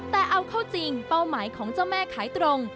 แต่เอาเข้าจริงเป้าหมายของเจ้าแม่ขายตรง